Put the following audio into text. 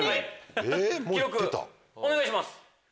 記録お願いします。